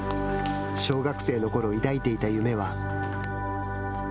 小学生のころ抱いていた夢は。